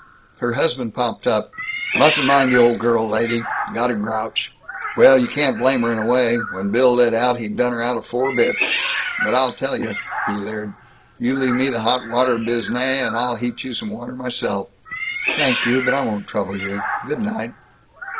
Her husband popped up. "Mustn't mind the old girl, lady. Got a grouch. Well, you can't blame her, in a way; when Bill lit out, he done her out of four bits! But I'll tell you!" he leered. "You leave me the hot water biznai, and I'll heat you some water myself!" "Thank you, but I won't trouble you. Good night."